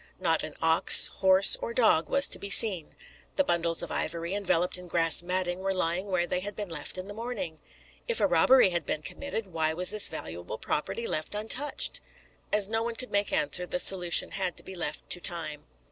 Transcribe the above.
Not an ox, horse, or dog was to be seen. The bundles of ivory, enveloped in grass matting, were lying where they had been left in the morning. If a robbery had been committed, why was this valuable property left untouched? As no one could make answer, the solution had to be left to time.